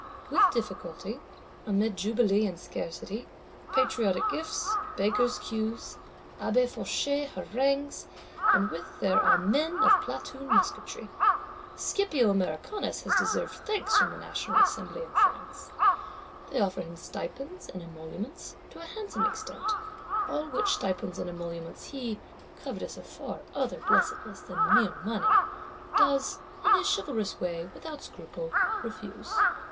With difficulty: amid jubilee and scarcity; Patriotic Gifts, Bakers' queues; Abbé Fauchet Harangues, with their Amen of platoon musketry! Scipio Americanus has deserved thanks from the National Assembly and France. They offer him stipends and emoluments, to a handsome extent; all which stipends and emoluments he, covetous of far other blessedness than mere money, does, in his chivalrous way, without scruple, refuse.